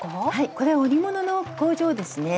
これ織物の工場ですね。